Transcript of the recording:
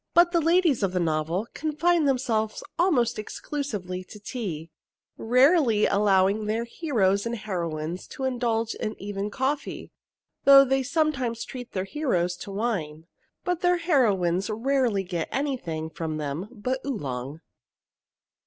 But the ladies of the novel confine themselves almost exclusively to tea rarely allowing their heroes and heroines to indulge in even coffee, though they sometimes treat their heroes to wine; but their heroines rarely get anything from them but Oolong.